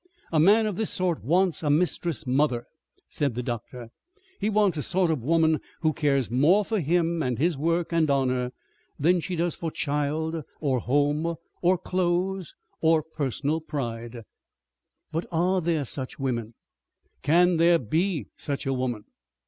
"A man of this sort wants a mistress mother," said the doctor. "He wants a sort of woman who cares more for him and his work and honour than she does for child or home or clothes or personal pride." "But are there such women? Can there be such a woman?"